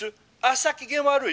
朝機嫌悪い！